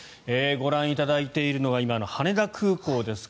ご覧いただいているのは今の羽田空港です。